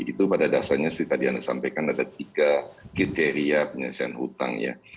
itu pada dasarnya seperti tadi anda sampaikan ada tiga kriteria penyelesaian hutang ya